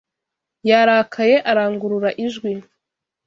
Yarakaye arangurura ijwi.